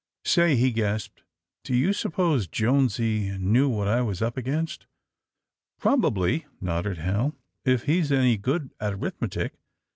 ''Say," he gasped, "do you suppose Jonesy knew what I was up against?'' "Probably," nodded Hal, "if he's any good at arithmetic.